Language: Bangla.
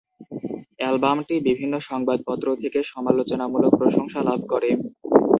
অ্যালবামটি বিভিন্ন সংবাদপত্র থেকে সমালোচনামূলক প্রশংসা লাভ করে।